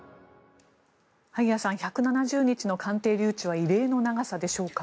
萩谷さん１７０日の鑑定留置は異例の長さでしょうか。